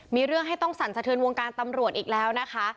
มีเรื่องให้ต้องสั่นสะเทือนวงการตำรวจอีกแล้วนะคะ